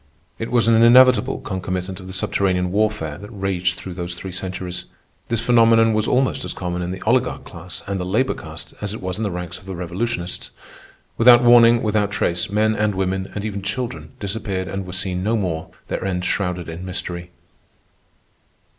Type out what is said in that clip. It was an inevitable concomitant of the subterranean warfare that raged through those three centuries. This phenomenon was almost as common in the oligarch class and the labor castes, as it was in the ranks of the revolutionists. Without warning, without trace, men and women, and even children, disappeared and were seen no more, their end shrouded in mystery.